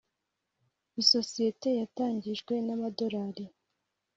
isosiyete yatangijwe n’amadorari